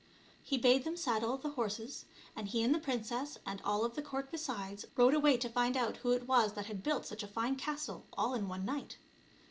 He bade them saddle the horses, and he and the princess, and all of the court besides, rode away to find out who it was that had built such a fine castle all in one night.